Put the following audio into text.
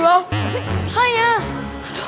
emang bener bukaan hal ini